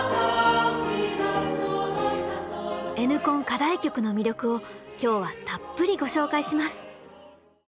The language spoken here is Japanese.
課題曲の魅力を今日はたっぷりご紹介します！